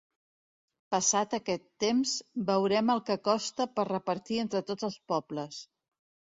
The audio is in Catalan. Passat aquest temps «veurem el que costa per repartir entre tots els pobles».